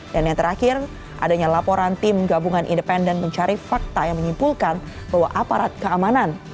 dan yang terakhir adanya laporan tim gabungan independen mencari fakta yang menyimpulkan bahwa aparat keamanan